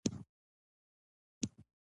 مټې یې غښتلې